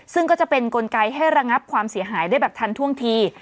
ซึ่งก็จะเป็นกลไกให้ระงับความเสียหายได้แบบทันท่วงที